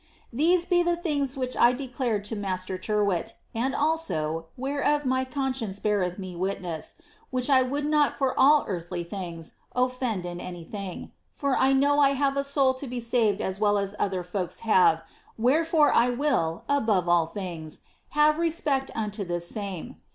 Theso be the tilings wliich I declared to blaster Tyrwhit, and also, whereof my coo •cience beareth me wimess, which I would not for all earthly things offend ia anjrthing, for 1 know I have a loul to be saved as well as other folks havc^ wherefore I will, above all things, have respect unto this tame.